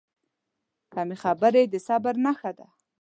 کمې خبرې، د صبر نښه ده.